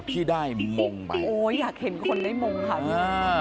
ที่ได้มงไปโอ้อยากเห็นคนได้มงค่ะอ่า